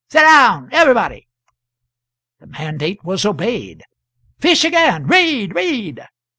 Sit down, everybody!" The mandate was obeyed. "Fish again! Read! read!"